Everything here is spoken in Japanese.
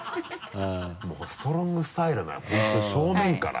もうストロングスタイル本当正面から。